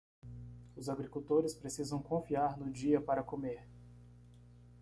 Os agricultores precisam confiar no dia para comer